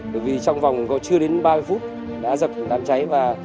bởi vì trong vòng chưa đến ba mươi phút đã dập đám cháy và